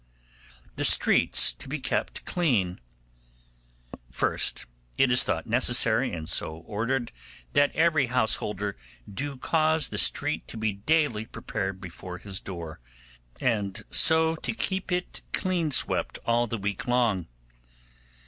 The Streets to be kept Clean. 'First, it is thought necessary, and so ordered, that every householder do cause the street to be daily prepared before his door, and so to keep it clean swept all the week long.